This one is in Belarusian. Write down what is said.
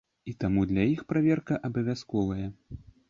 І таму для іх праверка абавязковая.